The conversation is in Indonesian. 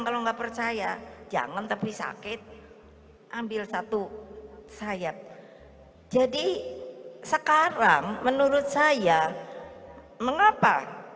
kalau nggak percaya jangan tapi sakit ambil satu sayap jadi sekarang menurut saya mengapa